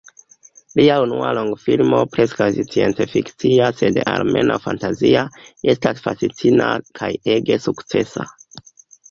Lia unua longfilmo, preskaŭ scienc-fikcia sed almenaŭ fantazia, estas fascina kaj ege sukcesa.